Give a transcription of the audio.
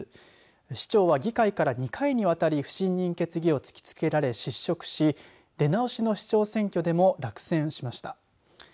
市長は議会から２回にわたり不信任決議を突きつけられ失職し出直しの市長選挙でも落選しました。